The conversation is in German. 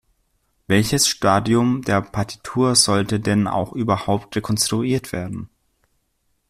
Welches Stadium der Partitur sollte denn auch überhaupt rekonstruiert werden?